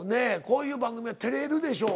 こういう番組は照れるでしょ。